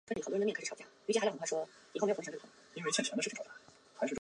台湾与澳门关系是指台湾和澳门特别行政区的双边关系。